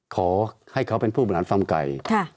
ขอให้เขาเป็นผู้บริหารฟาร์มไก่